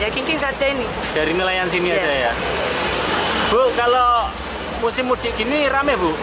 kalau musim mudik gini rame bu